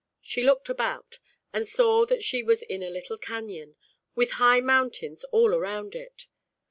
She looked about, and saw that she was in a little Canyon, with high Mountains all around it.